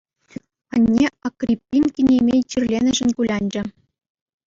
Анне Акриппин кинемей чирленӗшӗн кулянчӗ.